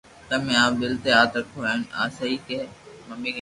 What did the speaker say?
تمي آپ دل تي ھاٿ رکو ڪو آ سھي ھي